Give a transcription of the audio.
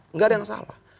enggak ada yang salah